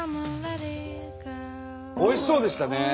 おいしそうでしたね